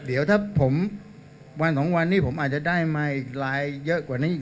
เดี๋ยวถ้าผมวันสองวันนี้ผมอาจจะได้มาอีกไลน์เยอะกว่านี้อีก